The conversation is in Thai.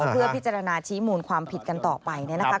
เพื่อพิจารณาชี้มูลความผิดกันต่อไปเนี่ยนะคะ